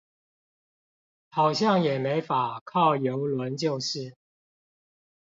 好像也沒法靠郵輪就是